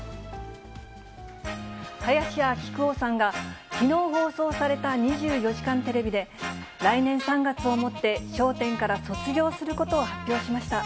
林家木久扇さんがきのう放送された２４時間テレビで、来年３月をもって、笑点から卒業することを発表しました。